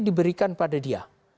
diberikan pada dia